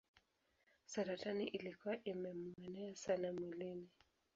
Saratani ilikuwa imemuenea sana mwilini.